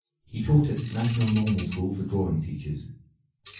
He taught at (National Normal School for Drawing Teachers).